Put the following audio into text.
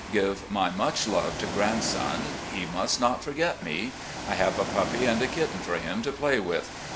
Give my much love to grandson. He must not forget me. I have a puppy and a kitten for him to play with.